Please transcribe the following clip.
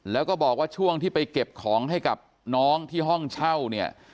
แล้วก็บอกว่าช่วงที่ไปเก็บของให้กับน้องที่ห้องเช่าเนี่ย